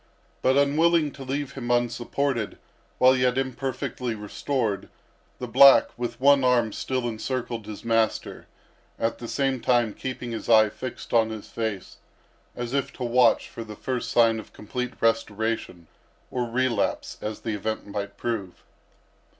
But unwilling to leave him unsupported while yet imperfectly restored, the black with one arm still encircled his master, at the same time keeping his eye fixed on his face, as if to watch for the first sign of complete restoration, or relapse, as the event might prove.